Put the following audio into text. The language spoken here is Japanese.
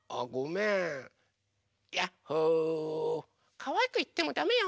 かわいくいってもだめよ！